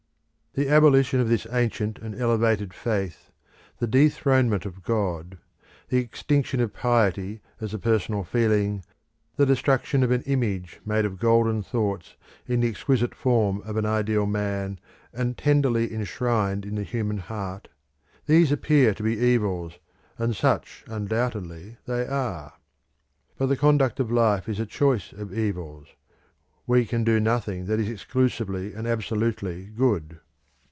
The abolition of this ancient and elevated faith; the dethronement of God; the extinction of piety as a personal feeling; the destruction of an Image made of golden thoughts in the exquisite form of an Ideal Man, and tenderly enshrined in the human heart these appear to be evils, and such undoubtedly they are. But the conduct of life is a choice of evils. We can do nothing that is exclusively and absolutely good.